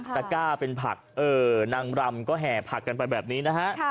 ก้าเป็นผักนางรำก็แห่ผักกันไปแบบนี้นะฮะ